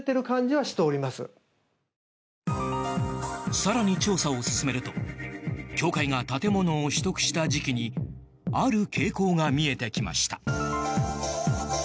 更に調査を進めると教会が建物を取得した時期にある傾向が見えてきました。